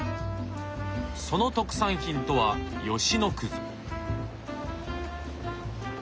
その特産品とは吉野。